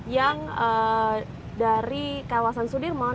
yang dari kawasan sudirman